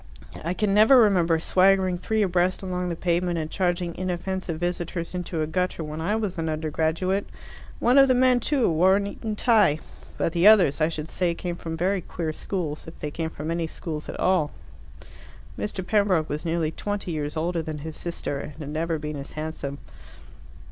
I can never remember swaggering three abreast along the pavement and charging inoffensive visitors into a gutter when I was an undergraduate. One of the men, too, wore an Eton tie. But the others, I should say, came from very queer schools, if they came from any schools at all." Mr. Pembroke was nearly twenty years older than his sister, and had never been as handsome.